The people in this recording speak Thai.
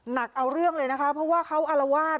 หนักเอาเรื่องเลยนะคะเพราะว่าเขาอารวาส